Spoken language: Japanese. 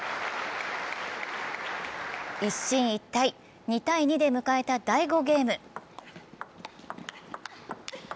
一進一退、２−２で迎えた第５ゲーム。